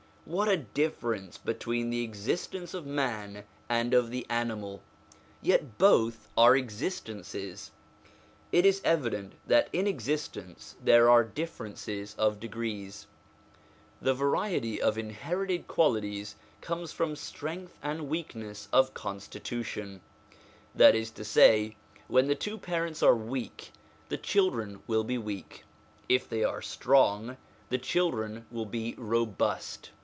What a difference between the existence of man and of the animal! Yet both are existences. It is evident that in existence there are differences of degrees, f The variety of inherited qualities comes from strength and weakness of constitution ; that is to say, when the two parents are weak, the children will be weak; if they are strong, the children will be robust.